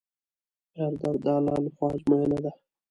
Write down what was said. هر درد د الله له خوا ازموینه ده.